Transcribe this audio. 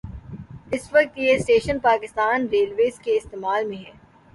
اس وقت یہ station Pakistan Railways کے استعمال میں ہے